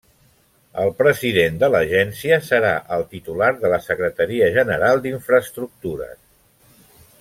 El President de l'Agència serà el titular de la Secretaria General d'Infraestructures.